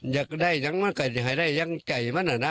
อยากได้อย่างมันก็ให้ได้อย่างใจมันนะนะ